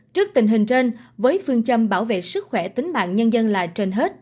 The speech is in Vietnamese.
trước tình hình trên với phương châm bảo vệ sức khỏe tính mạng nhân dân là trên hết